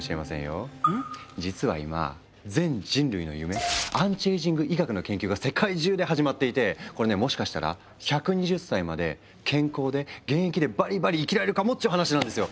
実は今全人類の夢アンチエイジング医学の研究が世界中で始まっていてこれねもしかしたら１２０歳まで健康で現役でバリバリ生きられるかもっていう話なんですよ。